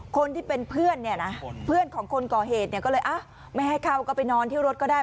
คนที่เป็นเพื่อนเพื่อนของคนก่อเหตุก็เลยอ๊ะไม่ให้เขาก็ไปนอนที่รถก็ได้